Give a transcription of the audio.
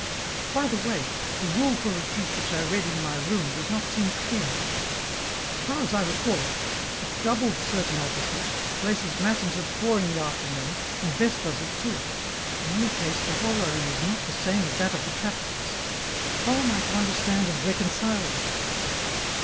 " By the way, the rule for retreat which I read in my room does not seem clear. As far as I recall it, it doubles certain offices, places Matins at four in the afternoon, and Vespers at two ; in any case the horary is not the same as that of the Trappists ; how am I to understand and reconcile them